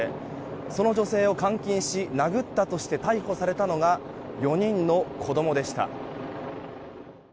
その女性を監禁し、殴ったとして逮捕されたのが４人の子供でした。